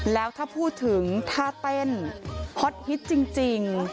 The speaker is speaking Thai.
แล้วถ้าพูดถึงท่าเต้นฮอตฮิตจริง